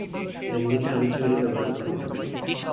এমনিতে, আমি ছুরি ব্যবহার করতাম।